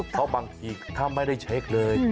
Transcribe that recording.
เพราะบางทีถ้าไม่ได้เช็คเลย